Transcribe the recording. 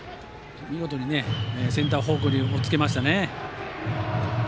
見事にセンター方向におっつけましたね。